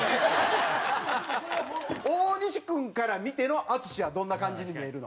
大西君から見ての淳はどんな感じに見えるの？